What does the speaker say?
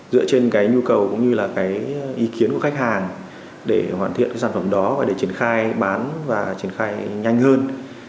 dựa trên cái nhu cầu cũng như là cái ý kiến của khách hàng để hoàn thiện cái sản phẩm đó và để triển khai bán và triển khai nhanh hơn